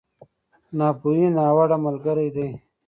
ناپوهي، ناوړه ملګری دی.